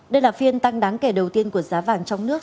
đây là phiên tăng đáng kể đầu tiên của giá vàng trong nước